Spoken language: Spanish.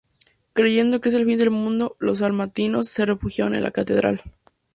Creyendo que es el fin del mundo los salmantinos se refugiaron en la Catedral.